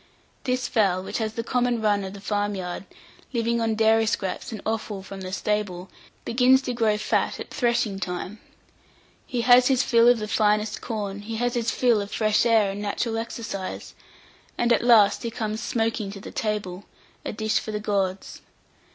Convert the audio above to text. This fowl, which has the common run of the farm yard, living on dairy scraps and offal from the stable, begins to grow fat at threshing time. He has his fill of the finest corn; he has his fill of fresh air and natural exercise, and at last he comes smoking to the table, a dish for the gods.